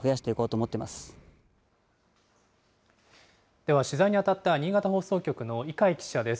では、取材に当たった新潟放送局の猪飼記者です。